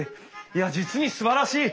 いや実にすばらしい！